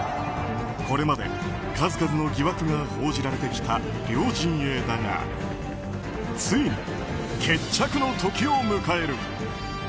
これまで数々の疑惑が報じられてきた両陣営だがついに決着の時を迎える。